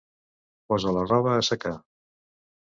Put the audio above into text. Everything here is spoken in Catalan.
Posa la roba a assecar.